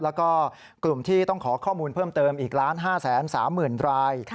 แล้วก็กลุ่มที่ต้องขอข้อมูลเพิ่มเติมอีก๑๕๓๐๐๐ราย